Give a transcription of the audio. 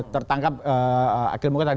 tertangkap akhil mukhtar